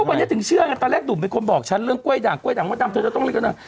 วันนี้ถึงเชื่อตอนแรกดุมเป็นคนบอกฉันเรื่องกล้วยด่างกล้วยด่างมันดำจะต้องเล่นกันหนึ่ง